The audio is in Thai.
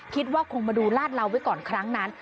คิดว่าคงมาดูลาดเหลาไว้ก่อนครั้งนั้น